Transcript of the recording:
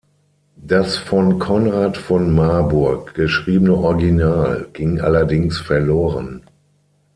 Das von Konrad von Marburg geschriebene Original ging allerdings verloren.